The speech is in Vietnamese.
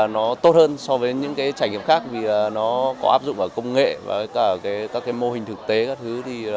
nó tốt hơn so với những trải nghiệm khác vì nó có áp dụng vào công nghệ và các mô hình thực tế các thứ